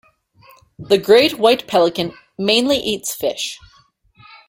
The great white pelican mainly eats fish.